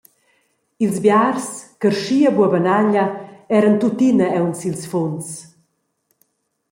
Ils biars, carschi e buobanaglia, eran tuttina aunc sils funs.